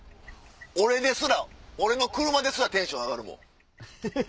俺ですら俺の車ですらテンション上がるもん。